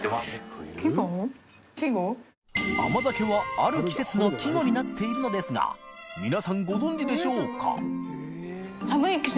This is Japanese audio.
禊甜鬚ある季節の季語になっているのですがГ気ご存じでしょうか？